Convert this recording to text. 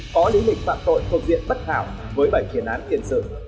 có lý lịch phạm tội thuộc diện bất hảo với bảy tiền án tiền sự